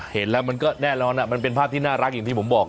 เห็นแล้วมันก็แน่นอนมันเป็นภาพที่น่ารักอย่างที่ผมบอก